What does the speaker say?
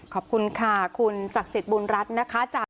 ขอบคุณค่ะคุณศักดิ์สิทธิ์บุญรัฐนะคะ